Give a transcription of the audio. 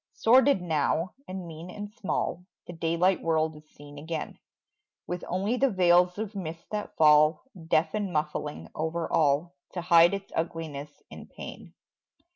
Sordid now, and mean and small The daylight world is seen again, With only the veils of mist that fall Deaf and muffling over all To hide its ugliness and pain.